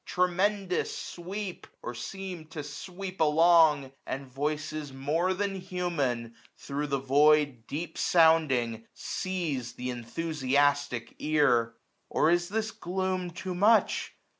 Tremendous sweep, or seem to sweep along ; And voices more than human, thro' the void Deep sounding, seize th* enthusiastic ear. Or is this gloom too much